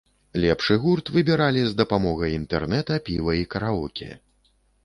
Лепшы гурт выбіралі з дапамогай інтэрнэта, піва і караоке.